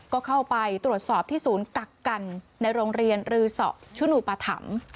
ก็เข้าไปตรวจสอบที่ศูนย์กักกันในโรงเรียนรือสอชุนูปธรรม